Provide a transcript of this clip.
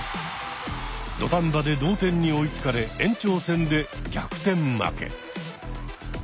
土壇場で同点に追いつかれ延長戦で逆転負け。